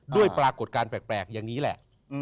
โดยปรากฏการณ์แปลกอย่างนี้แล้ว